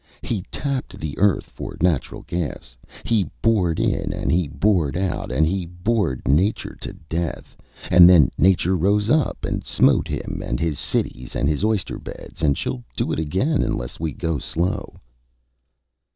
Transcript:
He tapped the earth for natural gas; he bored in and he bored out, and he bored nature to death, and then nature rose up and smote him and his cities and his oyster beds, and she'll do it again unless we go slow."